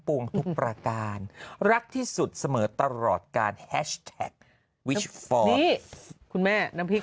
วงทุกประการรักที่สุดเสมอตลอดการแฮชแท็กวิชฟอร์มคุณแม่น้ำพริก